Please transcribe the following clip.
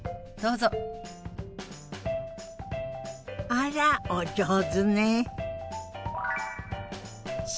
あらお上手ね。